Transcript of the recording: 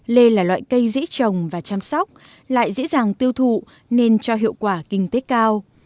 lê là loại cây dễ trồng và chăm sóc lại dễ dàng tiêu thụ nên cho hiệu quả kinh tế cao